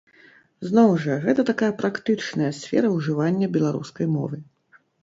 Зноў жа, гэта такая практычная сфера ўжывання беларускай мовы.